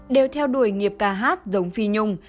đều theo đuổi nghiệp ca hát giống phi nhung